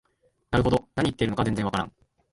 なるほど、何言ってるのか全然わからん